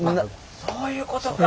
そういうことか。